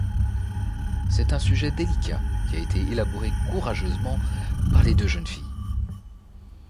C’est un sujet délicat qui a été élaboré courageusement par les deux jeunes filles.